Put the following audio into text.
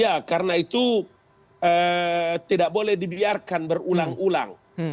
ya karena itu tidak boleh dibiarkan berulang ulang